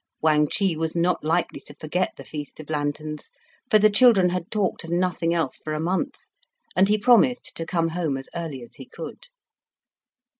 Wang Chih was not likely to forget the Feast of Lanterns, for the children had talked of nothing else for a month, and he promised to come home as early as he could.